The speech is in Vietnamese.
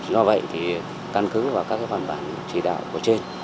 do vậy thì căn cứ và các phần bản chỉ đạo của trên